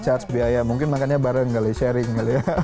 charge biaya mungkin makannya bareng kali sharing kali ya